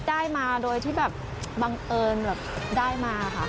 ได้มาโดยที่บังเอิญได้มาค่ะ